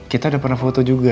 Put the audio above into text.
kita udah pernah foto juga